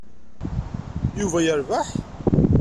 Yuba yerbeḥ?